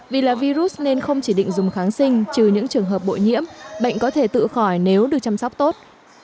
vì là virus nên không chỉ định dùng kháng sinh trừ những trường hợp bội nhiễm bệnh có thể tự khỏi nếu được chăm sóc tốt